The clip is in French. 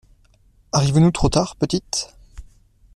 Arrivons-nous trop tard, petite ?…